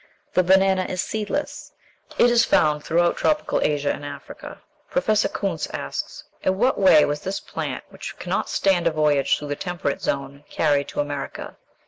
The banana is seedless. It is found throughout tropical Asia and Africa. Professor Kuntze asks, "In what way was this plant, which cannot stand a voyage through the temperate zone, carried to America?"